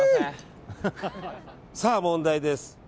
さあ問題です。